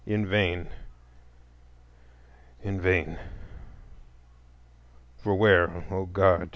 In vain, in vain!—for where, O God!